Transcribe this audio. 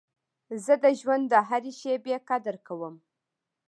زه د ژوند د هري شېبې قدر کوم.